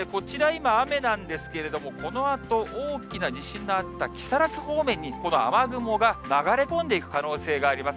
今、雨なんですけれども、このあと、大きな地震のあった木更津方面に、この雨雲が流れ込んでいく可能性があります。